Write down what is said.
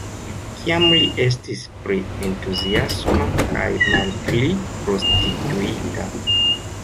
Kiam li estis pli entuziasma kaj malpli prostituita.